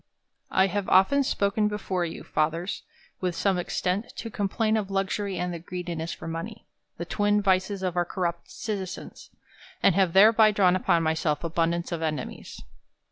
J' HAVE often spoken before you. Fathers, with * some extent, to qomplain of luxury and the greedi ness for money, the twin vices of our corrupt citizens ; and have thereby drawn upon myself abundance of enemies.